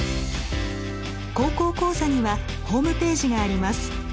高校講座にはホームページがあります。